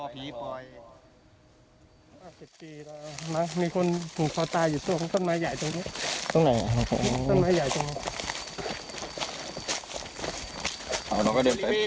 มีคนผู้ขาวตายอยู่ตรงต้นไม้ใหญ่ตรงนี้